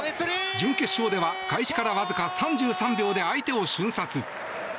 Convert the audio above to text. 準決勝では開始からわずか３３秒で相手を瞬殺。